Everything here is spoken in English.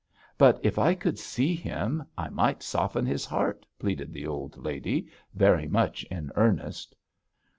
'But if I could see him I might soften his heart,' pleaded the old lady, very much in earnest.